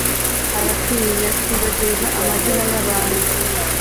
Arakwiriye kwibagirwa amazina yabantu